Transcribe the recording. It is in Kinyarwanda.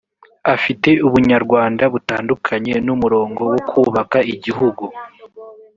afite ubunyarwanda butandukanye n’umurongo wo kubaka igihugu